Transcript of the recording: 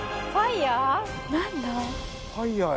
・ファイヤー？